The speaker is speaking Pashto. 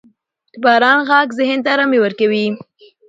• د باران ږغ ذهن ته آرامي ورکوي.